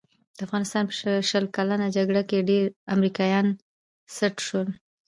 د افغانستان په شل کلنه جګړه کې ډېر امریکایان سټ شول.